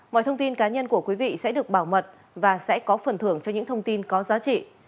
mọi thông tin cá nhân của quý vị sẽ được bảo mật và sẽ có phần thưởng cho những thông tin có giá trị